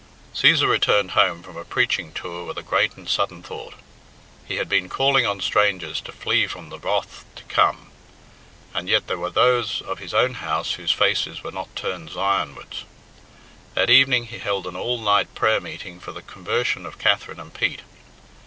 Cæsar returned home from a preaching tour with a great and sudden thought. He had been calling on strangers to flee from the wrath to come, and yet there were those of his own house whose faces were not turned Zionwards. That evening he held an all night prayer meeting for the conversion of Katherine and Pete.